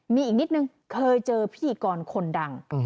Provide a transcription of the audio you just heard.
มีอีกนิดนึงเคยเจอพิธีกรคนดัง